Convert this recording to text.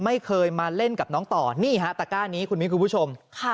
ไม่เคยมาเล่นกับน้องต่อนี่ฮะตะก้านี้คุณมิ้นคุณผู้ชม